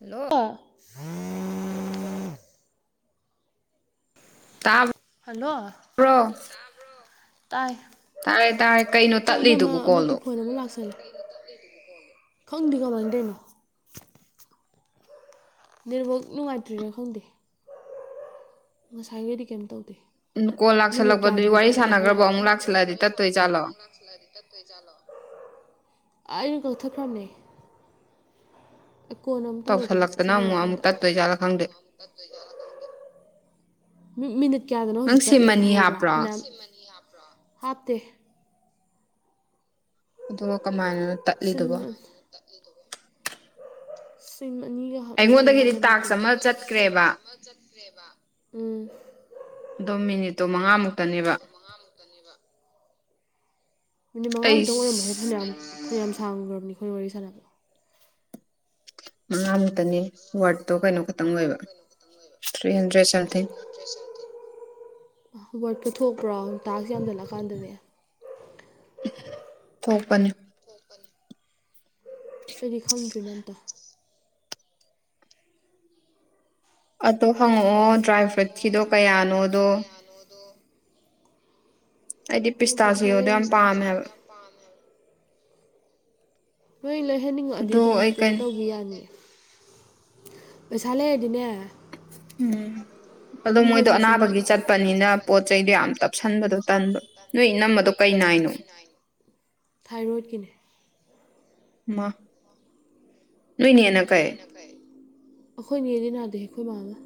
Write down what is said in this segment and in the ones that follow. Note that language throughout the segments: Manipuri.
ꯍꯜꯂꯣ ꯑꯣ ꯇꯥ ꯍꯜꯂꯣ ꯇꯥꯏ ꯇꯥꯔꯦ ꯇꯥꯔꯦ ꯀꯩꯅꯣ ꯇꯠꯂꯤꯗꯨꯕꯨ ꯀꯣꯜꯗꯣ ꯑꯗꯨꯅ ꯂꯁꯟ ꯈꯪꯗꯤ ꯀꯃꯥꯏꯅꯗꯅꯣ ꯅꯦꯠꯋꯥꯛ ꯅꯨꯡꯉꯥꯏꯇ꯭ꯔꯤꯔꯥ ꯈꯪꯗꯦ ꯉꯁꯥꯏꯈꯩꯗꯤ ꯀꯩꯝ ꯇꯧꯗꯦ ꯎ ꯀꯣꯟꯜ ꯃꯤꯅꯤꯠ ꯂꯥꯛꯁꯜꯂꯛꯄꯗꯨꯗꯤ ꯀꯌꯥꯗꯅꯣ ꯇꯠꯂꯤꯗꯣ ꯋꯥꯔꯤꯥꯟꯅ꯭ꯔꯕ ꯑꯃꯨꯛ ꯂꯥꯛꯁꯜꯂꯛꯑꯗꯤ ꯇꯠꯇꯣꯏ ꯆꯥꯠꯂꯣ ꯑ ꯀꯊꯦ ꯄꯝꯩ ꯀꯣꯟ ꯑꯃ ꯇꯧꯔꯒꯦꯕ ꯁꯤ ꯇꯧꯁꯜꯂꯛꯇꯅ ꯑꯃꯨꯛ ꯑꯃꯨꯛ ꯂꯣꯏꯔꯀꯥꯟꯗ ꯇꯠꯇꯣꯏ ꯖꯥꯠꯂꯥ ꯈꯪꯗꯦ ꯃꯤꯅꯤꯠ ꯀꯌꯥꯗꯅꯣ ꯅꯪ ꯍꯧꯖꯤꯛ ꯁꯤꯝ ꯇꯠꯂꯤꯅꯣ ꯑꯅꯤ ꯈꯪꯍꯧꯕ꯭ꯔꯥ ꯍꯥꯞꯄ꯭ꯔꯣ ꯐꯅꯌꯥꯝ ꯍꯥꯞꯇꯦ ꯑꯗꯨꯒ ꯀꯃꯥꯏꯅ ꯁꯤꯨꯝ ꯁꯤꯟ ꯑꯅꯤꯒ ꯍꯥꯞꯅꯤꯡꯉꯥꯏ ꯑꯩꯉꯣꯟꯗꯒꯤꯗꯤ ꯌꯥꯎꯕ ꯅꯠꯇꯦ ꯇꯥꯛꯁ ꯑꯃ ꯑꯩꯉꯣꯟꯗꯤ ꯆꯠꯈ꯭ꯔꯦꯕ ꯆꯠꯇ꯭ꯔꯦꯕ ꯎꯝ ꯑꯗꯣ ꯃꯤꯅꯤꯠꯇꯣ ꯃꯉꯥꯃꯨꯛꯇꯅꯦꯕ ꯀꯅꯤꯕ ꯃꯤꯅꯤꯠ ꯃꯉꯥꯃꯨꯛꯇꯪ ꯑꯣꯏꯔꯝꯕꯃ ꯍꯦ ꯑꯩꯁ ꯐꯅꯌꯥꯝ ꯐꯅꯌꯥꯝ ꯁꯥꯡꯈ꯭ꯔꯕꯅꯤ ꯑꯩꯈꯣꯏꯅ ꯋꯥꯔꯤ ꯁꯥꯟꯅꯕ ꯉꯝꯇꯅꯤ ꯋꯥꯔꯗꯠꯇꯣ ꯀꯩꯅꯣ ꯈꯛꯇꯪ ꯑꯣꯏꯕ ꯊ꯭ꯔꯤ ꯍꯟꯗ꯭ꯔꯦꯗ ꯁꯝꯊꯤꯡ [inaudible] ꯋꯥꯠꯀ ꯊꯣꯛꯄ꯭ꯔꯣ ꯇꯥꯛꯁꯦ ꯌꯥꯝꯊꯠꯂꯛꯀꯥꯟꯗꯅꯦ ꯀꯣꯛꯄꯅꯤ ꯑꯩꯗꯤ ꯈꯪꯗ꯭ꯔꯤꯅ ꯑꯝꯇ ꯑꯗꯣ ꯍꯪꯉꯛꯑꯣ ꯗ꯭ꯔꯥꯏ ꯐ꯭ꯔꯨꯏꯠ ꯀ ꯁꯆꯤꯗꯣ ꯀꯌꯥꯅꯣꯗꯣ ꯑꯩꯗꯤ ꯍꯣꯏ ꯄꯤꯁꯇꯥꯁꯨ ꯌꯦꯡꯗꯣ ꯍꯣꯔꯦꯟ ꯌꯥꯝ ꯄꯥꯝꯃꯦ ꯍꯥꯏꯕ ꯅꯣꯏ ꯂꯣꯏꯍꯟꯅꯤꯡꯉꯛꯑꯗꯤ ꯑꯗꯨ ꯑꯗꯨꯝ ꯑꯩ ꯀꯩꯅꯣ ꯀꯩ ꯇꯧꯕꯤ ꯌꯥꯅꯤ ꯄꯩꯁꯥꯂꯦ ꯏꯗꯤꯅꯦ ꯎꯝ ꯑꯗꯣ ꯃꯣꯏꯗꯣ ꯍꯧꯖꯤꯛꯁꯨ ꯑꯅꯥꯕꯒꯤ ꯃꯣꯏꯗꯣ ꯆꯠꯄꯅꯤꯅ ꯄꯣꯠ ꯆꯩꯗꯣ ꯌꯥꯝ ꯇꯞꯁꯟꯕꯗꯣ ꯇꯟꯕ ꯅꯣꯏ ꯏ ꯅꯝꯃꯗꯣ ꯀꯩ ꯅꯥꯏꯅꯣ ꯊꯥꯏꯔꯣꯏꯗꯀꯤꯅꯦ ꯃꯥ ꯅꯣꯏꯣꯏꯅꯤꯅ ꯀꯩꯦ ꯑꯩꯈꯣꯏ ꯅꯗꯤ ꯅꯥꯗꯦ ꯑꯩꯈꯣꯏ ꯃꯥꯃ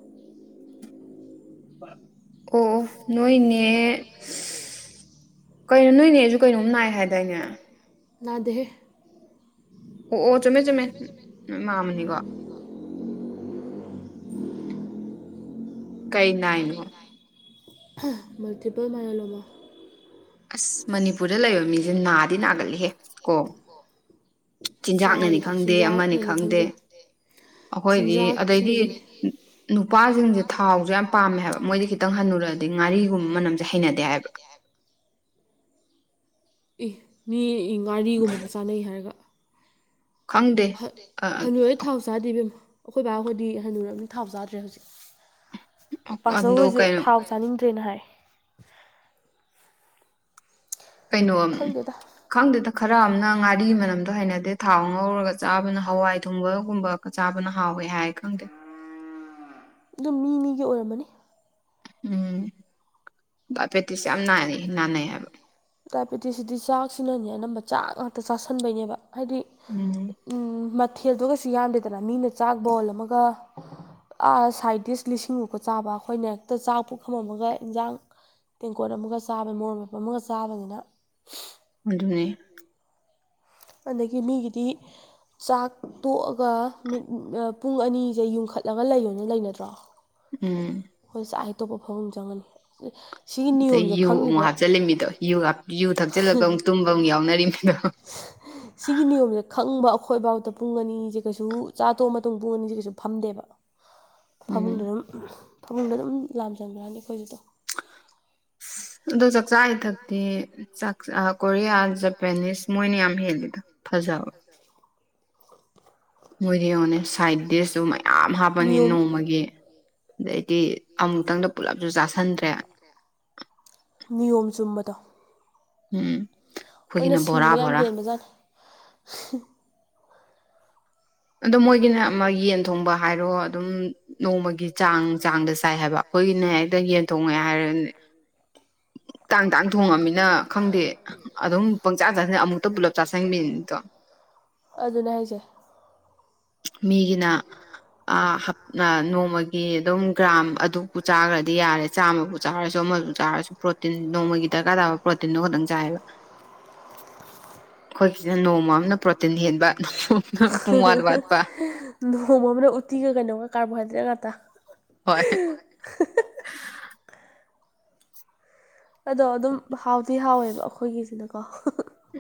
ꯑꯣ ꯅꯣꯏꯅꯦ ꯀꯩꯅꯣ ꯅꯣꯏꯅꯦ ꯑꯩꯁꯨ ꯀꯩꯅꯣꯝ ꯅꯥꯏ ꯍꯥꯏꯗꯥꯏꯅꯦ ꯅꯅꯥꯗꯦ ꯑꯣ ꯑꯣ ꯆꯨꯝꯃꯦ ꯆꯨꯝꯃꯦ ꯃꯥꯃꯅꯤꯀꯣ ꯀꯩ ꯅꯥꯅꯣ ꯃꯜꯇꯤꯄꯜ ꯃꯌꯂꯣꯃꯥ ꯑꯁ ꯃꯅꯤꯄꯨꯔꯗ ꯂꯩꯕ ꯃꯤꯁꯦ ꯅꯥꯗꯤ ꯅꯥꯒꯜꯂꯤꯍꯦ ꯀꯣ ꯆꯤꯟꯖꯥꯛꯅꯅꯤ ꯆꯥꯔꯤꯕ ꯈꯪꯗꯦ ꯑꯃꯅꯤ ꯆꯤꯟꯖꯥꯛꯅꯅꯤ ꯈꯪꯗꯦ ꯑꯩꯈꯣꯏꯗꯤ ꯑꯗꯩꯗꯤ ꯆꯤꯟꯖꯥꯛꯁꯤꯅꯁꯨꯅꯦ ꯅꯨꯄꯥꯁꯤꯡꯁꯦ ꯊꯥꯎꯁꯨ ꯌꯥꯝ ꯄꯥꯝꯃꯦ ꯍꯥꯏꯕ ꯃꯣꯏꯗꯤ ꯈꯤꯇꯪ ꯍꯟꯅꯨꯔꯗꯤ ꯉꯥꯔꯤꯒꯨꯝꯕ ꯃꯅꯝꯁꯦ ꯍꯩꯅꯗꯦ ꯍꯥꯏꯕ ꯑꯦ ꯃꯤ ꯒꯥꯔꯤꯒꯨꯝꯕꯅ ꯆꯥꯅꯩ ꯍꯥꯏꯔꯒ ꯈꯪꯗꯦ ꯑ- ꯍꯟꯅꯨꯔꯩ ꯊꯥꯎ ꯆꯥꯗꯦꯕꯦꯝꯣ ꯑꯩꯈꯣꯏ ꯕꯥꯍꯣꯏꯗꯤ ꯍꯟꯅꯨꯔꯕꯅꯤ ꯊꯥꯎ ꯆꯥꯗ꯭ꯔꯦ ꯍꯧꯖꯤꯛ ꯄꯥꯁꯜ ꯑꯗꯣ ꯍꯣꯏꯁꯨ ꯀꯩꯅꯣ ꯊꯥꯎ ꯆꯥꯅꯤꯡꯗ꯭ꯔꯦꯅ ꯍꯥꯏ ꯀꯩꯅꯣ ꯈꯪꯗꯦꯗ ꯈꯪꯗꯦꯗ ꯈꯔ ꯑꯃꯝꯅ ꯉꯥꯔꯤ ꯃꯅꯝꯗꯣ ꯍꯩꯅꯗꯦ ꯊꯥꯎ ꯉꯧꯔꯒ ꯆꯥꯕꯅ ꯍꯋꯥꯏ ꯊꯣꯡꯕꯒꯨꯝꯕ ꯆꯥꯕꯅ ꯍꯥꯎꯋꯦ ꯍꯥꯏ ꯈꯪꯗꯦ ꯑꯗꯨꯝ ꯃꯤ ꯃꯤꯒꯤ ꯑꯣꯏꯔꯝꯃꯅꯤ ꯎꯝ ꯗꯥꯏꯕꯦꯇꯤꯁ ꯌꯥꯝ ꯅꯥꯏꯔꯦ ꯅꯥꯟꯅꯩ ꯍꯥꯏꯕ ꯗꯥꯏꯕꯦꯇꯤꯁꯁꯤꯗꯤ ꯆꯥꯛꯁꯤꯅꯅꯦ ꯑꯅꯝꯕ ꯆꯥꯛ ꯉꯥꯛꯇ ꯆꯥꯁꯟꯕꯩꯅꯦꯕ ꯍꯥꯏꯗꯤ ꯎꯝ ꯎꯝ ꯃꯊꯦꯜꯗꯨ ꯀꯩꯁꯨ ꯌꯥꯝꯗꯦꯗꯅ ꯃꯤꯅ ꯆꯥꯛ ꯕꯣꯜ ꯑꯃꯒ ꯁꯥꯏꯠꯗꯤꯁ ꯂꯤꯁꯤꯡꯃꯨꯛꯀ ꯆꯥꯕ ꯑꯩꯈꯣꯏꯅ ꯍꯦꯛꯇ ꯆꯥꯛ ꯄꯨꯨꯛ ꯈꯝꯃꯝꯃꯒ ꯏꯟꯁꯥꯡ ꯇꯦꯡꯀꯣꯠ ꯑꯃꯒ ꯆꯥꯕ ꯃꯣꯔ ꯃꯞꯄ ꯑꯃꯒ ꯆꯥꯕꯅꯤꯅ ꯑꯗꯨꯅꯦ ꯑꯗꯒꯤ ꯃꯤꯒꯤꯗꯤ ꯆꯥꯛ ꯇꯣꯛꯑꯒ ꯃꯤꯠ ꯄꯨꯡ ꯑꯅꯤꯁꯦ ꯌꯨꯝꯈꯠꯂꯒ ꯂꯩꯌꯣꯅ ꯂꯩꯅꯗ꯭ꯔꯣ ꯎꯝ ꯍꯈꯣꯏ ꯆꯥꯛ ꯑꯇꯣꯞꯄ ꯐꯐꯝ ꯆꯪꯒꯅꯤ ꯑꯗꯩ ꯨ ꯑꯃꯨꯛ ꯍꯥꯞꯆꯤꯜꯜꯂꯤꯃꯤꯗꯣꯨ ꯖꯨ ꯊꯛꯆꯤꯂꯒ ꯑꯃꯨꯛ ꯇꯨꯝꯕ ꯑꯃꯨꯛ ꯌꯥꯎꯅꯔꯤꯃꯤꯗꯣ ꯁꯤꯒꯤ ꯅꯤꯌꯣꯝꯁ ꯈꯪꯕ ꯑꯩꯈꯣꯏꯕꯥꯥꯎꯗ ꯄꯨꯡ ꯑꯅꯤꯁꯦ ꯀꯩꯁꯨ ꯆꯥꯊꯣꯛꯑ ꯃꯇꯨꯡ ꯄꯨꯡ ꯑꯅꯤꯁꯦ ꯀꯩꯁꯨ ꯐꯝꯗꯦꯕ [unintelligible] ꯐꯃꯨꯡꯗ ꯑꯗꯨꯝ ꯐꯃꯨꯡꯗ ꯑꯗꯨꯝ ꯂꯥꯝ ꯆꯟꯕ꯭ꯔꯅꯤ ꯑꯩꯈꯣꯏꯗꯨꯗꯣ ꯑꯗꯣ ꯆꯥꯛꯆꯥ ꯏꯊꯛꯇꯤ ꯆꯥꯛ ꯆ ꯀꯣꯔꯤꯌꯥ ꯖꯄꯦꯅꯤꯁ ꯃꯣꯏꯅ ꯌꯥꯝ ꯍꯦꯜꯂꯤꯗꯣ ꯐꯖꯕꯦ ꯃꯣꯏꯗꯤ ꯌꯦꯡꯉꯣꯅꯦ ꯁꯥꯏꯠ ꯗꯤꯁꯇꯨ ꯃꯌꯥꯝ ꯍꯥꯞꯄꯅꯤ ꯅꯤꯌꯣꯝ ꯅꯣꯡꯃꯒꯤ ꯑꯗꯩꯗꯤ ꯑꯃꯨꯛꯇꯪꯗ ꯄꯨꯜꯂꯞꯁꯨ ꯆꯥꯁꯤ ꯅꯤꯌꯣꯝ ꯆꯨꯝꯕꯗꯣ ꯎꯝ ꯂꯣꯏꯅ ꯑꯩꯈꯣꯏꯒꯤꯅ ꯕꯣꯔꯥ ꯁꯤꯡꯕ ꯌꯥꯝ ꯕꯣꯔꯥ ꯍꯦꯟꯕꯖꯥꯠꯅꯤ ꯑꯗꯣ ꯃꯣꯏꯒꯤꯅ ꯑꯃ ꯌꯦꯟ ꯊꯣꯡꯕ ꯍꯥꯏꯔꯣ ꯑꯗꯨꯝ ꯅꯣꯡꯃꯒꯤ ꯆꯥꯡ ꯆꯥꯡꯗ ꯆꯥꯏ ꯍꯥꯏꯕ ꯑꯩꯈꯣꯏꯒꯤꯅꯦ ꯍꯦꯛꯇ ꯌꯦꯟ ꯊꯣꯡꯉꯦ ꯍꯥꯏꯔꯅꯦ ꯇꯥꯡ ꯇꯥꯡ ꯊꯣꯡꯉꯃꯤꯅ ꯈꯪꯗꯦ ꯑꯗꯨꯝ ꯄꯪꯆꯥꯥ ꯆꯥꯁꯤꯟ ꯑꯃꯨꯛꯇ ꯄꯨꯂꯞ ꯆꯥꯥꯁꯟꯕꯤꯅꯤꯗꯣ ꯑꯗꯨꯅꯦ ꯍꯥꯏꯁꯦ ꯃꯤꯒꯤꯅꯞ ꯅꯣꯡꯃꯒꯤ ꯑꯗꯨꯝ ꯒ꯭ꯔꯥꯝ ꯑꯗꯨꯕꯨꯨ ꯆꯥꯈ꯭ꯔꯗꯤ ꯌꯥꯔꯦ ꯆꯥꯝꯃꯕꯨ ꯆꯥꯔꯁꯨ ꯑꯃꯁꯨ ꯆꯥꯔꯁꯨ ꯄ꯭ꯔꯣꯇꯤꯟ ꯅꯣꯡꯃꯒꯤ ꯗꯔꯀꯥꯔ ꯇꯥꯕ ꯄ꯭ꯔꯣꯇꯤꯟꯗꯣ ꯈꯛꯇꯪ ꯆꯥꯏꯌꯦꯕ ꯑꯩꯈꯣꯏꯒꯤꯅ ꯅꯣꯡꯃ ꯑꯃꯅ ꯄ꯭ꯔꯣꯇꯤꯟ ꯍꯦꯟꯕ ꯅꯣꯡꯃ ꯑꯃꯅ ꯄꯨꯡ ꯋꯥꯠ ꯋꯥꯠ ꯅꯣꯡꯃ ꯑꯃꯅ ꯎꯠꯇꯤꯒ ꯀꯩꯅꯣꯒ ꯀꯥꯔꯕꯣꯍꯥꯏꯗ꯭ꯔꯦꯠ ꯉꯥꯛꯇ ꯍꯣꯏ ꯑꯗꯣ ꯑꯗꯨꯝ ꯍꯥꯎꯗꯤꯤ ꯍꯥꯎꯋꯦꯕ ꯑꯩꯈꯣꯏꯒꯤꯁꯤꯅꯀꯣ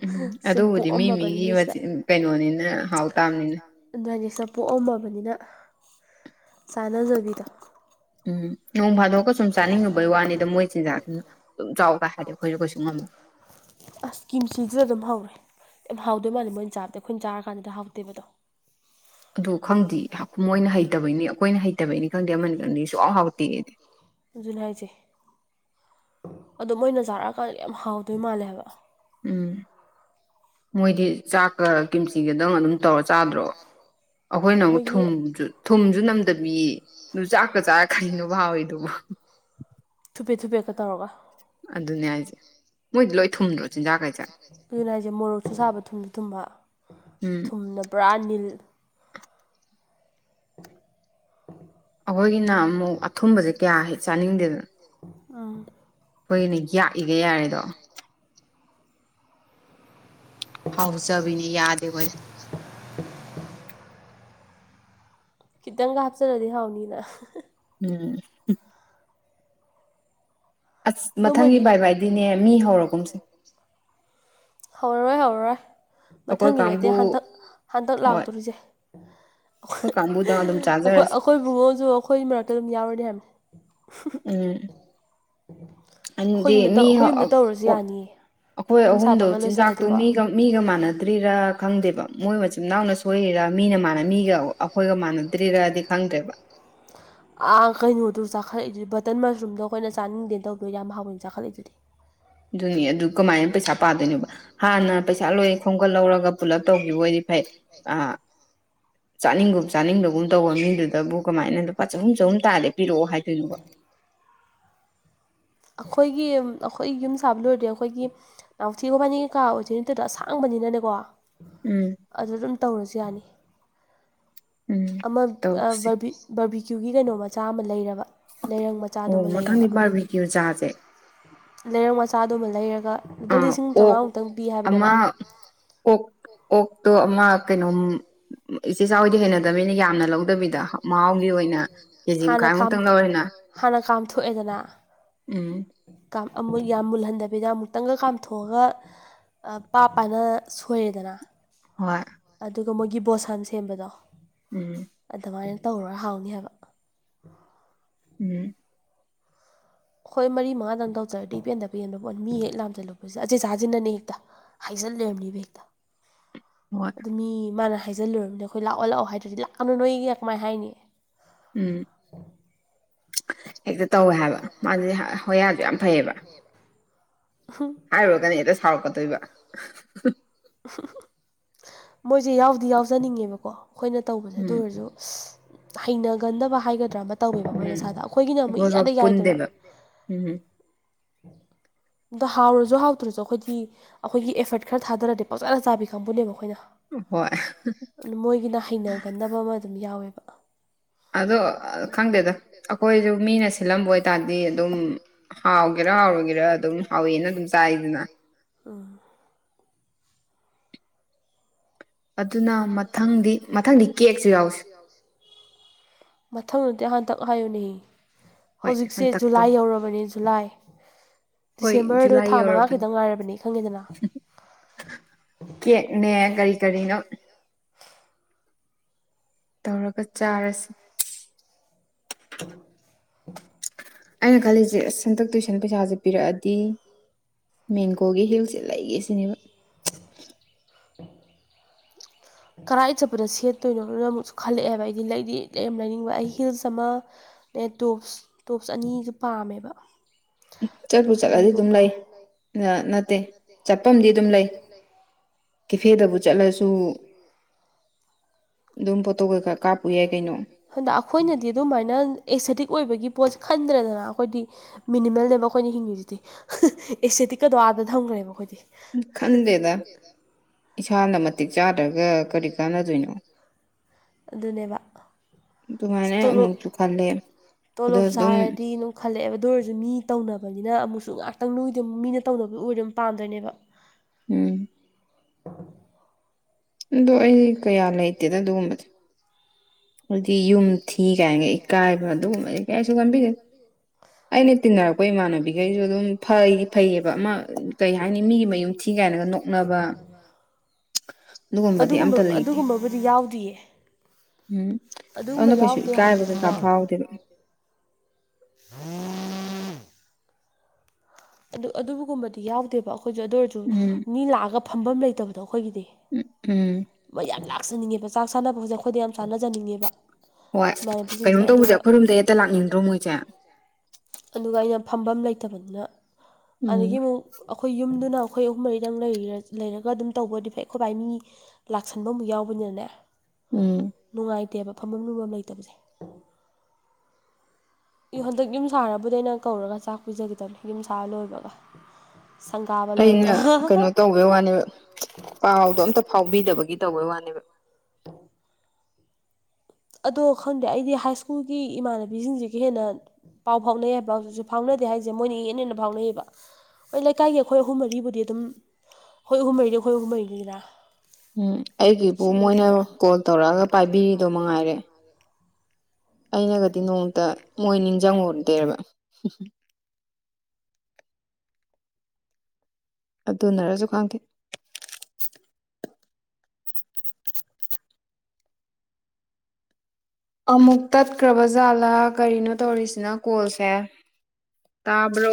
ꯎꯝ ꯁꯨꯝ ꯑꯗꯨꯕꯨꯗꯤ ꯃꯤ ꯄꯣꯛꯑꯝꯃꯕꯅꯤꯅ ꯁꯤꯗ ꯃꯤꯒꯤꯆꯤꯟ ꯀꯩꯅꯣꯅꯤꯅ ꯍꯥꯎ ꯇꯥꯕꯅꯤꯅ ꯑꯗꯨ ꯑꯅꯤꯦꯛꯁꯇ ꯄꯣꯛꯑꯝꯃꯕꯅꯤꯅ ꯆꯥꯟꯅꯖꯕꯤꯗꯣ ꯎꯝ ꯅꯣꯡ ꯐꯥꯗꯣꯛꯑꯒ ꯁꯨꯝ ꯆꯥꯅꯤꯡꯉꯨꯕꯒꯤ ꯋꯥꯅꯤꯗ ꯃꯣꯏ ꯆꯤꯟꯖꯥꯛꯁꯤꯅ ꯑꯗꯨꯝ ꯆꯥꯎꯕꯒ ꯍꯥꯏꯗꯤ ꯑꯩꯈꯣꯏꯁꯨ ꯀꯣꯏꯁꯨ ꯉꯝꯃꯒꯦ ꯑꯁꯀꯤꯝ ꯁꯤꯁꯤꯗ ꯑꯗꯨꯝ ꯍꯧꯔꯦ ꯌꯥꯝ ꯍꯥꯎꯗꯣꯏ ꯃꯥꯜꯂ ꯃꯣꯏꯅ ꯆꯥꯕꯗ ꯑꯩꯈꯣꯏꯅ ꯆꯥꯔ ꯀꯥꯟꯗꯨꯗ ꯍꯥꯎꯗꯦꯕꯗꯣ ꯑꯗꯨ ꯈꯪꯗꯦ ꯃꯣꯏꯅ ꯍꯩꯇꯕꯩꯅꯤ ꯑꯩꯈꯣꯏꯅ ꯍꯩꯇꯕꯩꯅꯤ ꯈꯪꯗꯦ ꯑꯃꯅꯤ ꯈꯪꯗꯦꯁꯨꯥꯎ ꯍꯥꯎꯇꯦꯛꯑꯗꯤ ꯑꯗꯨꯅ ꯍꯥꯏꯁꯦ ꯑꯗꯣ ꯃꯣꯏꯅ ꯆꯥꯔꯛꯑꯀꯥꯟꯗ ꯌꯥꯝ ꯍꯥꯎꯗꯣꯏ ꯃꯥꯜꯂꯦ ꯍꯥꯏꯕ ꯎꯝ ꯃꯣꯏꯗꯤ ꯆꯥꯛꯀ ꯀꯤꯝꯆꯤꯒꯗꯪ ꯑꯗꯨꯝ ꯇꯧꯔ ꯆꯥꯗ꯭ꯔꯣ ꯑꯩꯈꯣꯏꯅ ꯑꯃꯨꯛ ꯃꯣꯏꯒꯤ ꯊꯨꯝꯁꯨ ꯊꯨꯝꯁꯨ ꯅꯝꯗꯝꯕꯤ ꯑꯗꯨ ꯆꯥꯛꯀ ꯆꯥꯔ ꯈꯩꯅꯣ ꯍꯥꯎꯋꯏꯗꯨꯕ ꯊꯨꯄꯦ ꯊꯨꯄꯦꯠꯀ ꯇꯧꯔꯒ ꯑꯗꯨꯅꯦ ꯍꯥꯏꯁꯦ ꯃꯣꯏꯗꯤ ꯂꯣꯏ ꯊꯨꯝꯗ꯭ꯔꯣ ꯆꯤꯟꯖꯥꯛꯈꯩꯁꯦ ꯑꯗꯨꯅ ꯑꯩꯁꯦ ꯃꯣꯔꯣꯛꯁꯨ ꯁꯥꯕ ꯊꯨꯝꯗ ꯊꯨꯝꯕ ꯎꯝ ꯊꯨꯝꯅ ꯄ꯭ꯔꯥꯅꯤꯜ [unintelligible] ꯑꯩꯈꯣꯏꯒꯤꯅ ꯑꯃꯨꯛ ꯑꯊꯨꯝꯕꯁꯦ ꯀꯌꯥ ꯆꯥꯅꯤꯡꯗꯦꯗꯅꯣ ꯎꯝ ꯑꯩꯈꯣꯏꯒꯤꯅꯤ ꯌꯥꯛꯏꯒꯦ ꯌꯥꯔꯦꯗꯣ ꯍꯥꯎꯖꯕꯤꯅꯤ ꯌꯥꯗꯦ ꯍꯈꯣꯏ ꯈꯤꯇꯪꯒ ꯍꯥꯞꯆꯜꯂꯗꯤ ꯍꯥꯎꯅꯤꯅ ꯎꯝ ꯑꯁ ꯑꯗꯣ ꯃꯊꯪꯒꯤ ꯃꯣꯏꯗꯤ ꯕꯥꯏ ꯚꯥꯏꯗꯤꯅꯦ ꯃꯤ ꯍꯧꯔꯒꯨꯝꯁꯦ ꯍꯧꯔꯔꯣꯏ ꯍꯧꯔꯔꯣꯏ ꯑꯩꯈꯣꯏ ꯃꯊꯪꯒꯤ ꯀꯥꯡꯕꯨ ꯅꯠꯇꯦ ꯍꯟꯇꯛ ꯍꯟꯇꯛ ꯂꯥꯛꯇꯣꯔꯤꯁꯦ ꯑꯣ ꯀꯥꯕꯨꯨꯗ ꯑꯩꯈꯣꯏ ꯑꯩꯈꯣꯏ ꯨꯡꯉꯣꯁꯨ ꯑꯩꯈꯣꯏ ꯃꯔꯛꯇ ꯑꯗꯨꯝ ꯌꯥꯎꯔꯅꯤ ꯍꯥꯏꯕꯅꯦ ꯎꯝ ꯎꯝ ꯑ ꯃꯤ ꯌꯥꯅꯤꯌꯦ ꯑꯩꯈꯣꯏ ꯌꯨꯝ ꯑꯍꯨꯝꯗꯨ ꯁꯥꯕꯒ ꯆꯤꯟꯖꯥꯛꯇꯨ ꯂꯣꯏꯁꯤꯜꯂꯗꯤꯀꯣ ꯃꯤ ꯃꯤꯒ ꯃꯥꯟꯅꯗ꯭ꯔꯤꯔꯥ ꯈꯪꯗꯦꯕ ꯃꯣꯏ ꯃꯆꯤꯟꯅꯥꯎꯅ ꯁꯣꯏꯔꯤꯔꯥ ꯃꯤꯅ ꯃꯥꯟꯅ ꯃꯤꯒ ꯑꯩꯈꯣꯏꯒ ꯃꯥꯟꯅꯗ꯭ꯔꯤꯔꯗꯤ ꯈꯪꯗ꯭ꯔꯦꯕ ꯑ ꯀꯩꯅꯣꯗꯨꯣ ꯆꯥꯈꯠꯂꯛꯏ ꯑꯗꯨꯗꯤ ꯕꯇꯟ ꯃꯁꯔꯨꯝꯗꯣ ꯑꯩꯈꯣꯏꯅ ꯆꯥꯅꯤꯡꯗꯦ ꯇꯧꯗꯣꯏꯣ ꯌꯥꯝ ꯍꯥꯎꯋꯅꯤ ꯆꯥꯈꯠꯂꯛꯏ ꯑꯗꯨꯗꯤ ꯑꯗꯨꯅꯦ ꯑꯗꯨ ꯀꯃꯥꯏꯅ ꯄꯩꯁꯥ ꯄꯥꯗꯣꯏꯅꯣꯕ ꯍꯥꯟꯅ ꯄꯩꯁꯥ ꯂꯣꯏ ꯈꯣꯝꯒꯠ ꯂꯧꯔꯒ ꯄꯨꯂꯞ ꯇꯧꯈꯤꯕ ꯑꯣꯏꯗꯤ ꯐꯩ ꯑ ꯆꯥꯅꯤꯡꯒꯨꯝ ꯆꯥꯅꯤꯡꯕꯒꯨꯝ ꯇꯧꯕ ꯃꯤꯗꯨꯗꯕꯨ ꯀꯃꯥꯏꯅ ꯂꯨꯄꯥ ꯆꯍꯨꯝ ꯆꯍꯨꯝ ꯇꯥꯔꯦ ꯄꯤꯔꯛꯑꯣ ꯍꯥꯏꯗꯣꯏꯅꯣꯕ ꯑꯩꯈꯣꯏꯒꯤ ꯑꯩꯈꯣꯏ ꯌꯨꯝ ꯁꯥꯕ ꯂꯣꯏꯔꯗꯤ ꯑꯩꯈꯣꯏꯒꯤ ꯅꯛꯊꯤꯒꯕꯅꯤ ꯀꯩꯀꯥ ꯑꯣꯏꯣꯏꯅꯤꯠꯇꯗ ꯑꯁꯥꯡꯕꯅꯤꯅꯅꯦꯀꯣ ꯎꯝ ꯑꯗꯨ ꯑꯗꯨꯝ ꯇꯧꯔꯁꯨ ꯌꯥꯅꯤ ꯎꯝ ꯑꯃ ꯇꯧꯁꯦ ꯕꯔꯕꯤꯀ꯭ꯌꯨꯒꯤ ꯀꯩꯅꯣ ꯃꯆꯥ ꯑꯃ ꯂꯩꯔꯕ ꯂꯩꯔꯪ ꯑꯣ ꯃꯆꯥꯗꯨꯃ ꯂꯩꯔꯕ ꯃꯊꯪꯗꯤ ꯕꯥꯔꯕꯤꯀ꯭ꯌꯨ ꯆꯥꯁꯦ ꯂꯩꯔꯛ ꯃꯆꯥꯗꯨꯃ ꯂꯩꯔꯒ ꯂꯨꯄꯥ ꯑꯥ ꯂꯤꯁꯤꯡ ꯆꯥꯝꯃꯉꯥꯃꯨꯛꯇꯪ ꯄꯤ ꯍꯥꯏꯕꯅꯦꯕ ꯑꯣ ꯑꯣꯛꯇꯣ ꯑꯃ ꯀꯩꯅꯣ ꯏꯆꯦ ꯆꯥꯎꯗꯤ ꯍꯩꯅꯗꯕꯃꯤꯅ ꯌꯥꯝꯅ ꯂꯧꯗꯕꯤꯗ ꯃꯍꯥꯎꯒꯤ ꯑꯣꯏꯅ ꯀꯦꯖꯤ ꯍꯥꯟꯅ ꯃꯈꯥꯏꯃꯨꯛꯇꯪ ꯂꯧꯔꯦꯅ ꯍꯥꯟꯅ ꯎꯝ ꯨ ꯌꯥꯝ ꯃꯨꯜꯍꯟꯗꯕꯤꯗ ꯑꯃꯨꯛꯇꯪꯒ ꯀꯥꯝꯊꯣꯛꯑꯒ ꯄꯥꯞ ꯄꯅ ꯁꯣꯏꯌꯦꯦꯗꯅ ꯍꯣꯏ ꯑꯗꯨꯒ ꯃꯣꯏꯒꯤ ꯕꯣꯁꯥꯟ ꯁꯦꯝꯕꯗꯣ ꯎꯝ ꯑꯗꯨꯃꯥꯏꯅ ꯇꯧꯔꯒ ꯍꯥꯎꯅꯤ ꯍꯥꯏꯕ ꯎꯝ ꯍꯣꯏ ꯃꯔꯤ ꯃꯉꯥꯗꯪ ꯇꯧꯖꯔꯗꯤ ꯄꯦꯟꯗꯕ ꯄꯦꯟꯕ ꯄꯣꯠ ꯃꯤ ꯍꯦꯛ ꯂꯥꯝꯁꯤꯜꯂꯨꯄꯁꯤꯗ ꯑꯆꯦ ꯆꯥꯁꯤꯟꯅꯅꯦ ꯍꯦꯛꯇ ꯍꯥꯏꯖꯤꯜꯂꯕꯅꯤ ꯕꯦꯛꯇ ꯍꯣꯏ ꯑꯗꯨ ꯃꯤ ꯃꯥꯅ ꯍꯥꯏꯖꯤꯜꯂꯨꯔꯕꯅꯤ ꯑꯩꯈꯣꯏ ꯂꯥꯛ ꯑꯣꯜꯂꯛꯑꯣ ꯍꯥꯏꯔꯗꯤ ꯂꯥꯛꯅ ꯅꯣꯏꯒꯤ ꯀꯃꯥꯏꯅ ꯍꯥꯏꯅꯤꯌꯦ ꯎꯝ ꯍꯦꯛꯇ ꯇꯧꯋꯦ ꯍꯥꯏꯕ ꯃꯥꯗꯤ ꯍꯣꯌꯥꯗꯨ ꯌꯥꯝ ꯐꯩꯌꯦꯕ ꯍꯨ ꯍꯥꯏꯔꯨꯔꯒꯅꯤ ꯍꯦꯛꯇ ꯁꯥꯎꯔꯛꯀꯗꯣꯏꯕ ꯃꯣꯏꯁꯦ ꯌꯥꯎꯗꯤ ꯌꯥꯎꯖꯅꯤꯡꯉꯦꯕꯀꯣ ꯑꯩꯈꯣꯏꯅ ꯇꯧꯕꯁꯦ ꯑꯗꯨ ꯎꯝ ꯑꯣꯏꯔꯁꯨ ꯍꯩꯅꯒꯟꯗꯕ ꯍꯥꯏꯒꯗ꯭ꯔꯥ ꯇꯧꯋꯦꯕ ꯃꯈꯣꯏ ꯎꯝ ꯃꯁꯥꯗ ꯑꯩꯈꯣꯏꯒꯤꯅ ꯑꯃꯨꯛ ꯑꯩꯈꯣꯏꯒ ꯌꯥꯗ ꯌꯥꯏꯗꯅ ꯄꯨꯟꯗꯦꯕ ꯎꯝ [unintelligible] ꯑꯗ ꯍꯥꯎꯔꯁꯨ ꯍꯥꯎꯇ꯭ꯔꯁꯨ ꯑꯩꯈꯣꯏꯗꯤ ꯑꯩꯈꯣꯏꯒꯤ ꯑꯦꯐꯔꯠ ꯈꯔ ꯊꯥꯗꯔꯗꯤꯦ ꯄꯥꯎꯖꯥꯅ ꯆꯥꯕꯤ ꯈꯪꯕꯨꯅꯦꯕ ꯑꯩꯈꯣꯏꯅ ꯍꯣꯏ ꯑꯗꯨ ꯃꯣꯏꯒꯤꯅ ꯍꯩꯅꯒꯟꯕ ꯑꯃ ꯑꯗꯨꯝ ꯌꯥꯎꯋꯦꯕ ꯑꯗꯣ ꯈꯪꯗꯦꯗ ꯑꯩꯈꯣꯏꯁꯨ ꯃꯤꯅ ꯁꯤꯜꯂꯝꯕ ꯑꯣꯏꯇꯥꯔꯗꯤ ꯑꯗꯨꯝ ꯍꯥꯎꯦ ꯍꯧꯒꯦꯔ ꯍꯧꯥꯎꯔꯒꯦꯔ ꯑꯗꯨꯝ ꯍꯧꯋꯦꯅ ꯑꯗꯨꯝ ꯆꯥꯏꯗꯅ ꯎ ꯑꯗꯨꯅ ꯃꯊꯪꯗꯤ ꯃꯊꯪꯗꯤ ꯀꯦꯛꯁꯨ ꯌꯥꯎꯁꯤ ꯃꯊꯪꯗꯨꯗꯤ ꯍꯟꯊꯛ ꯍꯥꯏꯌꯨꯅꯦ ꯍꯣꯏ ꯍꯧꯖꯤꯛꯁꯦ ꯍꯟꯇꯛꯇꯣ ꯖꯨꯂꯥꯏ ꯌꯧꯔꯕꯅꯤ ꯖꯨꯂꯥꯏ ꯍꯣꯏ ꯗꯤꯁꯦꯝꯕꯔꯗ ꯖꯨꯂꯥꯏ ꯊꯥ ꯃꯉꯥ ꯌꯧꯔꯕꯅꯤ ꯈꯤꯇꯪ ꯉꯥꯏꯔꯕꯅꯤ ꯈꯪꯉꯦꯗꯅ ꯀꯦꯛꯅꯦ ꯀꯔꯤ ꯀꯔꯤꯅꯣ ꯇꯧꯔꯒ ꯆꯥꯔꯁꯦ [unintelligible] ꯑꯩꯅ ꯈꯜꯂꯤꯁꯦ ꯍꯟꯗꯛ ꯇꯨꯏꯁꯟ ꯄꯩꯁꯥꯁꯦ ꯄꯤꯔꯛꯑꯗꯤ ꯃꯦꯡꯒꯣꯒꯤ ꯍꯤꯜꯁꯦ ꯂꯩꯒꯦ ꯁꯤꯅꯦꯕ [unintelligible] ꯀꯗꯥꯥꯏꯗ ꯆꯠꯄꯗ ꯁꯦꯠꯇꯣꯏꯅꯣꯅꯣꯅ ꯑꯃꯨꯛꯁꯨ ꯈꯜꯂꯛꯑꯦꯕ ꯑꯩꯗꯤ ꯂꯩꯗꯤ ꯂꯩ ꯌꯥꯝ ꯂꯩꯅꯤꯡꯕ ꯑꯩ ꯍꯤꯜꯁ ꯑꯃ ꯅꯠ ꯇꯣꯞꯁ ꯇꯣꯞꯁ ꯑꯅꯤꯁꯨ ꯄꯥꯝꯃꯦꯕ ꯆꯠꯄ ꯇꯣꯞꯁ ꯆꯠꯂꯗꯤ ꯑꯗꯨꯝ ꯑꯅꯤꯒꯨꯝꯕ ꯂꯩ ꯅꯠꯇꯦ ꯆꯠꯄ ꯑꯃꯗꯤꯗꯤ ꯑꯗꯨꯝ ꯂꯩ ꯀꯦꯐꯦꯗꯕꯨ ꯆꯠꯂꯁꯨ ꯑꯗꯨꯝ ꯑ ꯈꯔ ꯀꯥꯞꯄꯨ ꯌꯥꯏ ꯀꯩꯅꯣ ꯍꯗ ꯑꯩꯈꯣꯏꯅꯗꯤ ꯑꯗꯨꯃꯥꯏꯅ ꯑꯦꯛꯁꯦꯇꯤꯛ ꯑꯣꯏꯕꯒꯤ ꯄꯣꯠꯁ ꯈꯟꯗ꯭ꯔꯗꯅ ꯑꯩꯈꯣꯏꯗꯤ ꯃꯤꯅꯤꯃꯜꯅꯦꯕ ꯑꯩꯈꯣꯏꯅ ꯍꯤꯡꯉꯤꯁꯤꯗꯤ ꯑꯦꯁꯇꯦꯇꯤꯛꯀꯗꯣ ꯑꯥꯗ ꯊꯝꯈ꯭ꯔꯦꯕ ꯑꯩꯈꯣꯏꯗꯤ ꯈꯟꯗꯦꯗ ꯏꯁꯥꯅ ꯃꯇꯤꯛ ꯆꯥꯗ꯭ꯔꯒ ꯀꯔꯤ ꯀꯥꯟꯅꯗꯣꯏꯅꯣ ꯑꯗꯨꯅꯦꯕ ꯑꯁ ꯑꯗꯨꯃꯥꯏꯅ ꯇꯣꯂꯣꯞ ꯑꯃꯨꯛꯁꯨ ꯈꯜꯂꯦ ꯑꯗꯣ ꯇꯣꯂꯣꯞ ꯑꯗꯨꯝ ꯁꯥꯔꯗꯤ ꯈꯜꯂꯛꯑꯦꯕ ꯑꯗꯨ ꯑꯣꯏꯔꯁꯨ ꯃꯤ ꯇꯧꯅꯕꯅꯤꯅ ꯑꯃꯨꯛꯁꯨ ꯉꯥꯏꯍꯥꯛꯇꯪ ꯅꯣꯏꯗ ꯃꯤꯅ ꯇꯧꯅꯕꯗꯨ ꯑꯣꯏꯗ ꯑꯗꯨꯝ ꯄꯥꯝꯗꯣꯏꯅꯦꯕ ꯎꯝ ꯑꯗꯣ ꯑꯩ ꯀꯌꯥ ꯂꯩꯇꯦꯗ ꯑꯗꯨꯒꯨꯝꯕꯗꯤ ꯑꯗꯨꯗꯤ ꯌꯨꯝ ꯊ ꯀꯥꯏꯒꯦ ꯀꯥꯏꯕ ꯑꯗꯨꯒꯨꯝꯕꯗꯤ ꯀꯩꯁꯨ ꯀꯟꯕꯤꯗꯦ ꯑꯩꯅ ꯇꯤꯟꯅꯔꯛꯄ ꯏꯃꯥꯟꯅꯕꯤꯈꯩꯁꯨ ꯑꯗꯨꯝ ꯐꯩ ꯐꯩꯌꯦꯕ ꯑꯃ ꯀꯩ ꯍꯥꯏꯅꯤ ꯃꯤꯒꯤ ꯃꯌꯨꯝ ꯊꯤ ꯀꯥꯏꯅꯒ ꯅꯣꯛꯅꯕ ꯑꯗꯨꯒꯨꯝꯕꯗꯤ ꯑꯝꯇ ꯂꯩꯇꯦ ꯕꯨꯗꯤ ꯌꯥꯎꯗꯌꯦ ꯎꯝ ꯑꯗꯨꯅ ꯀꯩꯁꯨ ꯌꯥꯎꯗꯦ ꯏꯀꯥꯏꯕ ꯍꯥꯏꯕꯗꯤꯀꯣ ꯀꯩꯀꯥ ꯐꯥꯎꯗꯦꯕ ꯑꯣꯥ ꯑꯗꯨ ꯑꯗꯨꯕꯨꯒꯨꯝꯕꯗꯤ ꯌꯥꯎꯗꯦꯕ ꯑꯩꯈꯣꯏꯁꯨ ꯑꯗꯨ ꯎꯝ ꯑꯣꯏꯔꯁꯨ ꯂꯥꯛꯑ ꯐꯐꯝ ꯂꯩꯇꯕꯗꯣ ꯑꯩꯈꯣꯏꯒꯤ ꯎꯝ ꯎꯝ ꯃꯣꯏ ꯌꯥꯝ ꯂꯥꯛꯆꯅꯤꯡꯉꯦꯕ ꯆꯥꯛ ꯁꯥꯟꯅꯕ ꯍꯧꯖꯤꯛ ꯑꯩꯈꯣꯏꯗ ꯌꯥꯝ ꯆꯥꯟꯅꯖꯅꯤꯡꯉꯦꯕ ꯍꯣꯏ ꯏꯃꯥꯟꯅꯕꯤꯁꯤꯡꯁꯦ ꯀꯩꯅꯣꯝ ꯇꯧꯕꯁꯦ ꯑꯗꯨꯒ ꯑꯩꯈꯣꯏꯔꯣꯝꯗ ꯍꯦꯛꯇ ꯂꯥꯛꯅꯤꯡꯗ꯭ꯔꯣ ꯃꯣꯏꯁꯦ ꯑꯗꯨꯒ ꯑꯩꯅ ꯐꯝꯐꯝ ꯂꯩꯇꯕꯅꯤꯅ ꯎꯝ ꯑꯗꯒꯤ ꯑꯃꯨꯛ ꯑꯩꯈꯣꯏ ꯌꯨꯝꯗꯨꯅ ꯑꯩꯈꯣꯏ ꯑꯍꯨꯝ ꯃꯔꯤꯗꯪ ꯂꯩꯔꯒ ꯑꯗꯨꯝ ꯇꯧꯕꯗꯤ ꯐꯩ ꯑꯩꯈꯣꯏ ꯚꯥꯏ ꯃꯤ ꯂꯥꯛꯁꯟꯕ ꯑꯃꯨꯛ ꯌꯥꯎꯕꯅꯤꯅꯅꯦ ꯎꯝ ꯅꯨꯡꯉꯥꯏꯇꯦꯕ ꯐꯝꯐꯝ ꯂꯨꯐꯝ ꯂꯩꯇꯕꯁꯦ ꯍꯟꯗꯛ ꯌꯨꯝ ꯁꯥꯔꯕꯗ ꯑꯩꯅ ꯀꯧꯔꯒ ꯆꯥꯛ ꯄꯤꯖꯒꯗꯕꯅꯦ ꯌꯨꯝ ꯁꯥꯔ ꯂꯣꯏꯕꯒ ꯁꯪꯒꯥꯕ ꯂꯣꯏꯕ ꯇꯧꯕꯦ ꯋꯥꯅꯦꯕ ꯄꯥꯎꯗꯣ ꯑꯝꯇ ꯐꯥꯎꯕꯤꯗꯕꯒꯤ ꯇꯧꯕꯩ ꯋꯥꯅꯦꯕ ꯑꯗꯣ ꯈꯪꯗꯦ ꯑꯩꯗꯤ ꯍꯥꯏ ꯁ꯭ꯀꯨꯜꯒꯤ ꯏꯃꯥꯟꯅꯕꯤꯁꯤꯡꯁꯤꯒ ꯍꯦꯟꯅ ꯄꯥꯎ ꯐꯥꯎꯅꯩ ꯍꯥꯏꯕꯁꯨ ꯐꯥꯎꯅꯗꯦ ꯍꯥꯏꯁꯦ ꯃꯣꯏꯅ ꯍꯦꯟꯅ ꯍꯦꯟꯅ ꯐꯥꯎꯅꯩꯌꯦꯑꯕ ꯍꯣꯏ ꯂꯩꯀꯥꯏꯒꯤ ꯑꯩꯈꯣꯏ ꯑꯍꯨꯝ ꯃꯔꯤꯕꯨꯗꯤ ꯑꯗꯨꯝ ꯑꯩꯈꯣꯏ ꯑꯍꯨꯝ ꯃꯔꯤꯗꯤ ꯑꯩꯈꯣꯏ ꯑꯍꯨꯝ ꯃꯔꯤꯗꯨꯒꯤꯅ ꯎꯝ ꯑꯩꯒꯤꯕꯨ ꯃꯣꯏꯅ ꯀꯣꯜ ꯇꯧꯔꯛꯑꯒ ꯄꯥꯏꯕꯤꯔꯤꯗꯣ ꯃꯉꯥꯏꯔꯦ ꯑꯩꯅꯒꯗꯤ ꯅꯣꯡꯃꯇ ꯃꯣꯏ ꯅꯤꯡꯁꯤꯡꯍꯧꯗꯦꯕ ꯑꯗꯨꯅꯔꯁꯨ ꯈꯪꯗꯦ ꯑꯃꯨꯛ ꯇꯠꯈ꯭ꯔꯕ ꯖꯥꯠꯂꯥ ꯀꯔꯤꯅꯣ ꯇꯧꯔꯤꯁꯤꯅ ꯀꯣꯜꯁꯦ ꯇꯥꯕ꯭ꯔꯣ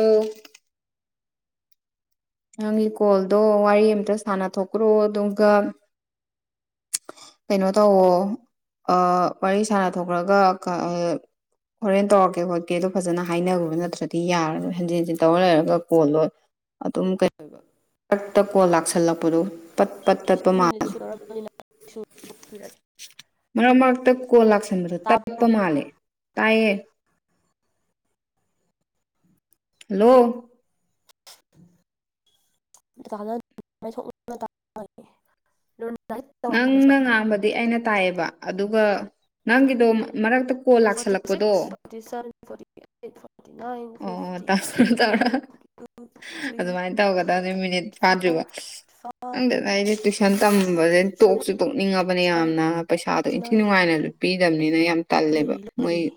ꯅꯪꯒꯤ ꯀꯣꯜꯗꯣ ꯋꯥꯔꯤ ꯑꯃꯝꯇ ꯁꯥꯟꯅꯊꯣꯛꯈ꯭ꯔꯣ ꯑꯗꯨꯒ ꯀꯩꯅꯣ ꯇꯧꯋꯣ ꯋꯥꯔꯤ ꯁꯥꯟꯅ ꯊꯣꯛꯈ꯭ꯔꯒ ꯍꯣꯔꯦꯟ ꯇꯧꯔꯛꯀꯦ ꯈꯣꯠꯀꯦ ꯑꯗꯣ ꯐꯖꯅ ꯍꯥꯏꯅꯈ꯭ꯔꯕ ꯅꯠꯇ꯭ꯔꯗꯤ ꯌꯥꯔꯗ ꯍꯟꯖꯤꯟ ꯍꯟꯖꯤꯟ ꯇꯧꯔ ꯂꯩꯔꯒ ꯀꯣꯜ ꯂꯣꯏ ꯑꯗꯨꯝ ꯀꯩ ꯍꯛꯇ ꯀꯣ ꯂꯥꯛꯁꯜꯂꯛꯄꯗꯨꯣ ꯁꯤꯁ ꯃꯤꯅꯤꯠ ꯁꯨꯨꯔꯔꯕꯅꯤꯅꯦ ꯃꯔꯛ ꯃꯔꯛꯇ ꯀꯣ ꯂꯥꯛꯁꯟꯕꯗ ꯇꯥꯕ꯭ꯔꯣ ꯇꯂꯛꯄ ꯃꯥꯜꯂꯦ ꯇꯥꯏꯌꯦ ꯍꯜꯂꯣ [inaudible] ꯅꯪꯅ ꯉꯥꯡꯕꯗꯤ ꯑꯩꯅ ꯇꯥꯏꯌꯦꯕ ꯑꯗꯨꯒ ꯅꯪꯒꯤꯗꯣ ꯃꯔꯛꯇ ꯀꯣꯜ ꯐꯣꯔꯇꯤ ꯂꯥꯛꯁꯜꯂꯛꯄꯗꯣ ꯁꯤꯛꯁ ꯐꯣꯔꯇꯤ ꯁꯦꯟ ꯐꯇꯤ ꯐꯣꯔꯇꯤ ꯅꯥꯏꯟ ꯑꯣ ꯐꯤꯇꯤꯇ ꯇꯧꯔ ꯇꯧꯔ ꯋꯥꯇ ꯑꯗꯨꯃꯥꯏꯅ ꯇꯧꯒꯗ ꯑꯗꯨ ꯃꯤꯅꯤꯠ ꯐꯣꯔ ꯐꯥꯗ꯭ꯔꯤꯕ ꯐꯥꯏꯚ ꯅꯪꯗꯗ ꯑꯩꯁꯦ ꯇꯨꯏꯁꯟ ꯇꯝꯕꯁꯦ ꯁꯚꯦꯟ ꯇꯣꯛꯁꯨ ꯇꯣꯛꯅꯤꯡꯉꯕꯅꯦ ꯑꯩꯠ ꯌꯥꯝꯅ ꯄꯩꯁꯥꯗꯣ ꯏꯟꯊꯤ ꯅꯥꯏꯟ ꯅꯨꯡꯉꯥꯏꯅ ꯑꯗꯨ ꯄꯤꯗꯕꯅꯤꯅ ꯌꯥꯝ ꯇꯜꯂꯦꯕ ꯂꯣꯏꯔꯦ ꯃꯣꯏ ꯂꯣꯏꯔꯦ